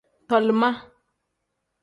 Tolima.